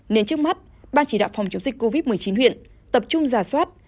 nên trước mắt ban chỉ đạo phòng chống dịch covid một mươi chín huyện tập trung giả soát